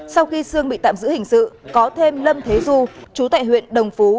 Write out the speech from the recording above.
sau khi xương bị tạm giữ hình sự có thêm lâm thế du chú thệ huyện đồng phú